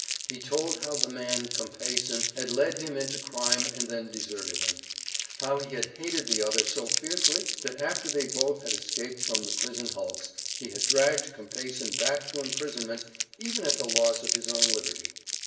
He told how the man Compeyson had led him into crime and then deserted him. How he had hated the other so fiercely that after they both had escaped from the prison hulks he had dragged Compeyson back to imprisonment even at the loss of his own liberty.